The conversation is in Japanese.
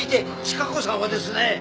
チカ子さんはですね。